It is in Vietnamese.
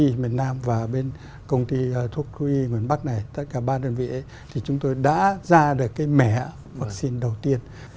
thuốc thú y miền nam và bên công ty thuốc thú y miền bắc này tất cả ba đơn vị ấy thì chúng tôi đã ra được cái mẻ vắc xin đầu tiên